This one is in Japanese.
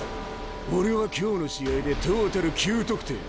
俺は今日の試合でトータル９得点。